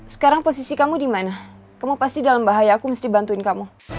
sekarang posisi kamu di mana kamu pasti dalam bahaya aku mesti bantuin kamu